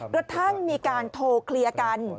กระทั่งมีการโทรเคลียร์กัน